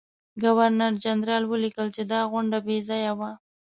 ګورنرجنرال ولیکل چې دا غونډه بې ځایه وه.